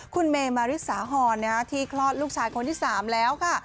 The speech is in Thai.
คุณเมมาริสาหรที่คลอดลูกชายคนที่๓แล้วค่ะ